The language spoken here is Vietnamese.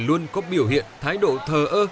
luôn có biểu hiện thái độ thờ ơ